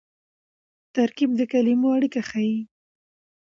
ترکیب د کلیمو اړیکه ښيي.